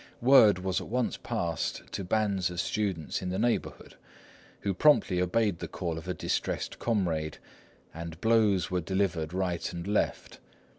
Word was at once passed to bands of students in the neighbourhood, who promptly obeyed the call of a distressed comrade, and blows were delivered right and left.